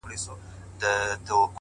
o چي و ئې کې پخپله، گيله مه کوه له بله.